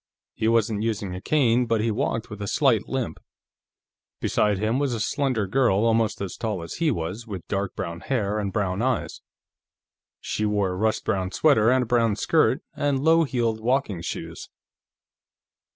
He wasn't using a cane, but he walked with a slight limp. Beside him was a slender girl, almost as tall as he was, with dark brown hair and brown eyes. She wore a rust brown sweater and a brown skirt, and low heeled walking shoes.